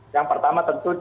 yang pertama tentu